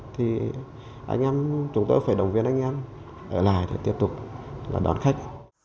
thì anh em chúng ta phải đồng viên anh em ở lại để tiếp tục là đón khách